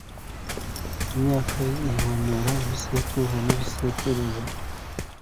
imyaka ye ihinduke ibisekuruza n’ibisekuruza